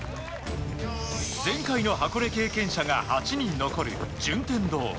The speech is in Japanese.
前回の箱根経験者が８人残る順天堂。